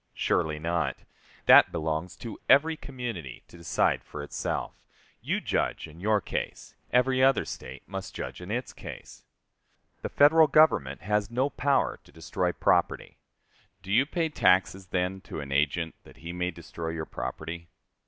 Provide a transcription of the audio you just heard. Surely not; that belongs to every community to decide for itself; you judge in your case every other State must judge in its case. The Federal Government has no power to destroy property. Do you pay taxes, then, to an agent, that he may destroy your property?